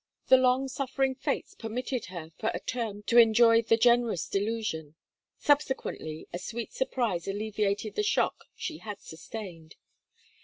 The long suffering Fates permitted her for a term to enjoy the generous delusion. Subsequently a sweet surprise alleviated the shock she had sustained.